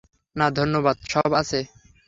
না ধন্যবাদ, সব আছে।